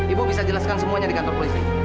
ibu kan tidak salah tapi dia tak bantu ibu jelasin